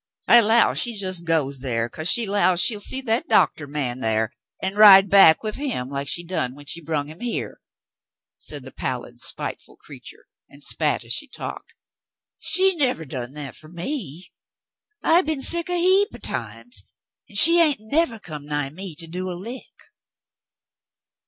I 'low she jes' goes 'cause she 'lows she'll see that doctah man thar an' ride back with him like she done when she brung him here," said the pallid, spiteful creature, and spat as she talked. "She nevah done that fer me. I be'n sick a heap o' times, an' she hain't nevah come nigh me to do a lick."